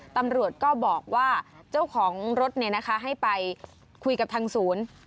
ตำรวจก็บอกว่าเจ้าของรถให้ไปคุยกับทางศูนย์